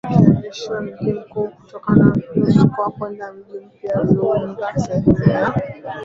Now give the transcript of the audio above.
akahamisha mji mkuu kutoka Moscow kwenda mji mpya aliounda sehemu ya